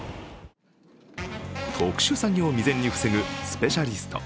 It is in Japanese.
特殊詐欺を未然に防ぐスペシャリスト。